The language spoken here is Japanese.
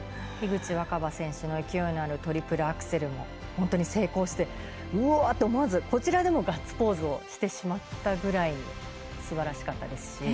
樋口新葉選手の勢いのあるトリプルアクセルも本当に成功してうおー！ってこちらでもガッツポーズをしてしまったぐらいすばらしかったですし。